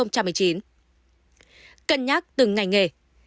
cân nhắc từng ngành nghề